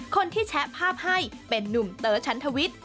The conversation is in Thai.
คนที่แชะภาพให้เป็นนุ่มเตอร์ชั้นทวิทย์